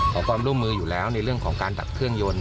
ขอความร่วมมืออยู่แล้วในเรื่องของการดับเครื่องยนต์